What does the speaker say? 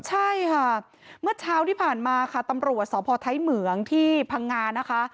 ใช่ค่ะเมื่อเช้าที่ผ่านมาค่ะตำรวจสพไทยเหมืองที่พังงานะคะ